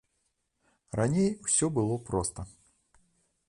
Раней усё было проста.